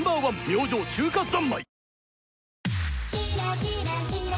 明星「中華三昧」